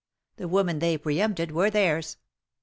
The women they pre empted were theirs.